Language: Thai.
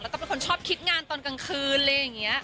แล้วก็เป็นคนชอบคิดงานตอนกลางคืนอะไรอย่างนี้